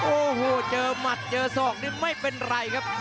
โอ้โหเจอหมัดเจอศอกนี่ไม่เป็นไรครับ